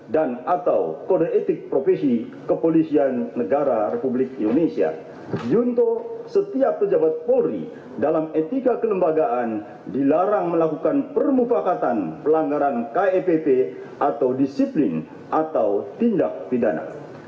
dan atau kode etik profesi kepolisian negara republik indonesia juntuh setiap pejabat polri dalam etika kelembagaan dilarang melakukan permufakatan pelanggaran kepp atau disiplin atau tindak pidana